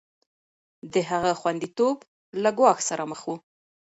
د هغه خونديتوب له ګواښ سره مخ و.